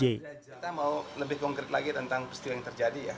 saya ingin berbicara lagi tentang peristiwa yang terjadi ya